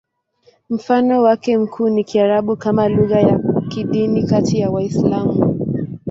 Mfano wake mkuu ni Kiarabu kama lugha ya kidini kati ya Waislamu.